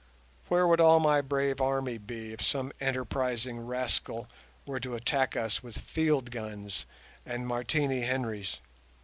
Where would all my brave army be if some enterprising rascal were to attack us with field guns and Martini Henrys?